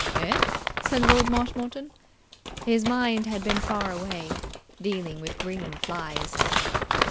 "Eh?" said Lord Marshmoreton. His mind had been far away, dealing with green flies.